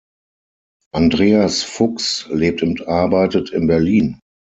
Andreas Fux lebt und arbeitet in Berlin.